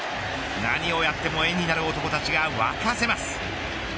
何をやっても絵になる男たちが沸かせます。